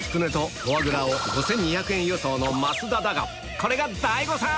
これが大誤算‼